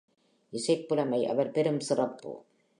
இசைப்புலமை அவர் பெருஞ் சிறப்பு.